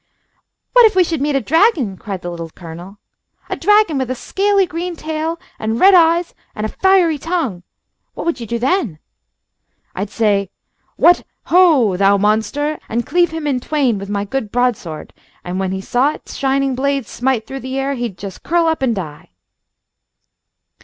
"What if we should meet a dragon?" cried the Little Colonel. "A dragon with a scaly green tail, and red eyes and a fiery tongue. What would you do then?" "I'd say, 'What! Ho! Thou monster!' and cleave him in twain with my good broadsword, and when he saw its shining blade smite through the air he'd just curl up and die."